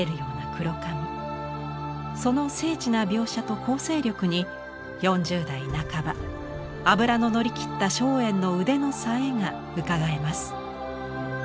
その精緻な描写と構成力に４０代半ば脂の乗り切った松園の腕の冴えがうかがえます。